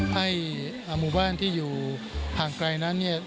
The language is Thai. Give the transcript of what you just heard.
ให้มุมบ้านที่อยู่ทางไกลนั้น